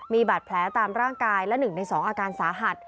มีบาดแผลตามร่างกายและ๑ใน๒อาการสาหัส